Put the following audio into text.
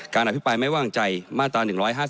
การอธิบายไม่ว่างใจมาตรา๑๕๑